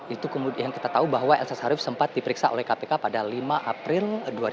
itu kemudian kita tahu bahwa elsa sharif sempat diperiksa oleh kpk pada lima april dua ribu dua puluh